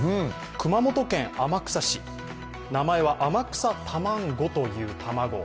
熊本県天草市、名前は天草タマンゴという卵。